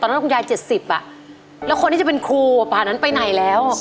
ตอนนั้นคุณยายเจ็ดสิบอ่ะแล้วคนที่จะเป็นครูอ่ะผ่านนั้นไปไหนแล้ว